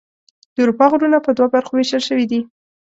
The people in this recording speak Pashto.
د اروپا غرونه په دوه برخو ویشل شوي دي.